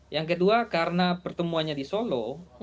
yang kedua karena pertemuannya di solo